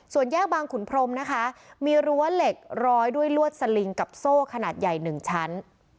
ส่วนแยกบางขุนพรมนะคะมีรั้วเหล็กร้อยด้วยลวดสลิงกับโซ่ขนาดใหญ่๑ชั้น